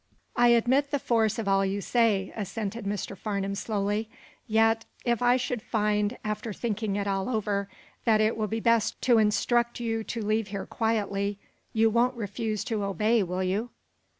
"I admit the force of all you say," assented Mr. Farnum, slowly. "Yet, if I should find, after thinking it all over, that it will be best to instruct you to leave here quietly, you won't refuse to obey, will you?"